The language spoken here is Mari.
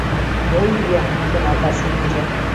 «Мо ия! — шоналта семынже.